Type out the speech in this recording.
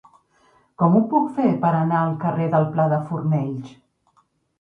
Com ho puc fer per anar al carrer del Pla de Fornells?